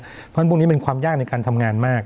เพราะฉะนั้นพวกนี้เป็นความยากในการทำงานมาก